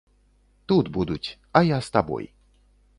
Тут будуць, а я з табой.